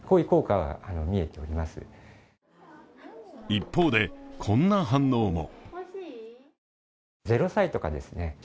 一方で、こんな反応も。